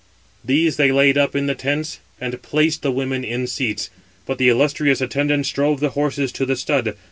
These they laid up in the tents, and placed the women in seats; but the illustrious attendants drove the horses to the stud.